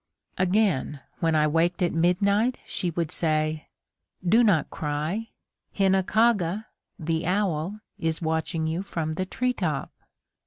Again, when I waked at midnight, she would say: "Do not cry! Hinakaga (the owl) is watching you from the tree top."